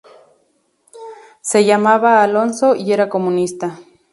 Se llamaba Alonso y era comunista.